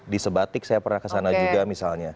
di sebatik saya pernah kesana juga misalnya